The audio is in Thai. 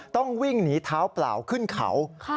ต้องวิ่งหนีเท้าเปล่าขึ้นเขา